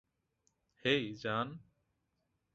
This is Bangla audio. হেই, জান।